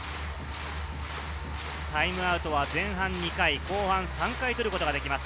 タイムアウトは前半２回、後半３回取ることができます。